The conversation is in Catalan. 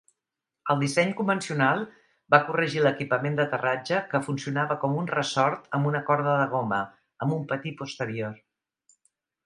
El disseny convencional va corregir l'equipament d'aterratge, que funcionava com un ressort amb una corda de goma, amb un patí posterior.